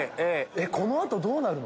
この後どうなるの？